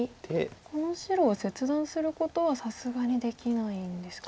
この白を切断することはさすがにできないんですか？